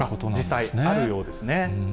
実際あるようですね。